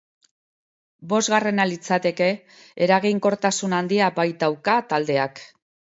Bosgarrena litzateke, eraginkortasun handia baitauka taldeak.